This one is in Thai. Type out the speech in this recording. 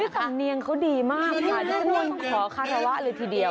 สำเนียงเขาดีมากค่ะทุกคนขอคารวะเลยทีเดียว